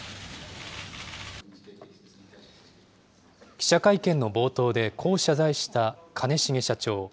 記者会見の冒頭でこう謝罪した兼重社長。